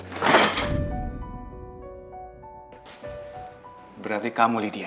hai berarti kamu lidia